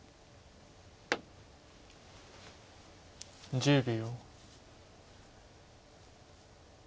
１０秒。